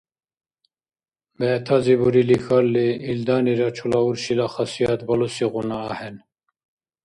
БегӀтази бурили хьалли, илданира чула уршила хасият балусигъуна ахӀен.